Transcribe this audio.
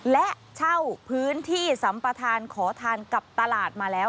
และเช่าพื้นที่สัมปทานขอทานกับตลาดมาแล้ว